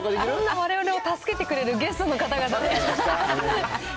われわれを助けてくれるゲストの方々です。